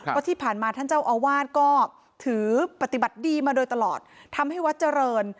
เพราะที่ผ่านมาท่านเจ้าอาวาสก็ถือปฏิบัติดีมาโดยตลอดทำให้วัดเจริญ